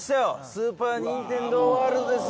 スーパー・ニンテンドー・ワールドですよこれ。